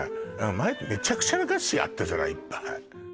前めちゃくちゃな歌詞あったじゃないいっぱい